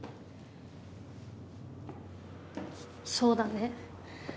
そうだね。